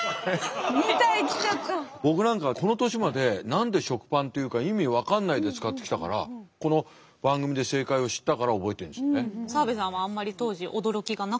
僕なんかこの年まで何で食パンっていうか意味分かんないで使ってきたからこの番組で正解を知ったから覚えてるんですよね。